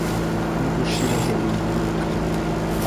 no gushiraho ibinyobwa